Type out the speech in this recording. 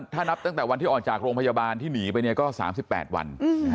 ถ้านับตั้งแต่วันที่ออกจากโรงพยาบาลที่หนีไปเนี่ยก็๓๘วัน